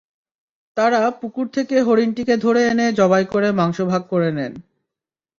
তাঁরা পুকুর থেকে হরিণটিকে ধরে এনে জবাই করে মাংস ভাগ করে নেন।